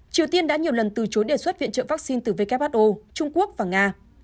triều tiên đã nhiều lần từ chối đề xuất viện trợ vaccine từ who trung quốc và nga